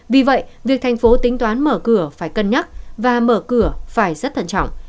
vì vậy việc thành phố tính toán mở cửa phải cân nhắc và mở cửa phải rất thận trọng